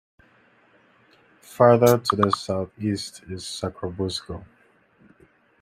Farther to the southeast is Sacrobosco.